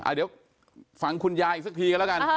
เดี๋ยวฟังคุณยายอีกสักทีกันแล้วกัน